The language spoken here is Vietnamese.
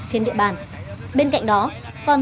trên địa bàn bên cạnh đó còn